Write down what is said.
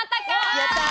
やったー！